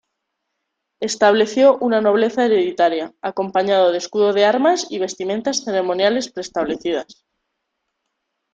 Estableció una nobleza hereditaria, acompañado de escudo de armas y vestimentas ceremoniales preestablecidas.